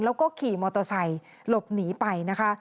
แล้วก็ขี่มอเตอร์ไซค์หลบหนีไปนะคะ